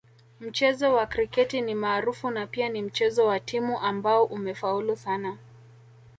Mchezo wa kriketi ni maarufu na pia ni mchezo wa timu ambao umefaulu sana